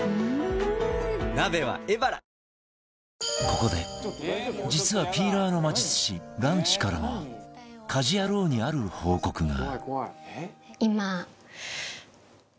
ここで実はピーラーの魔術師ランチからも『家事ヤロウ！！！』にある報告が